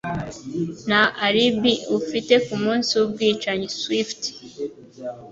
Nta alibi ufite kumunsi wubwicanyi. (Swift)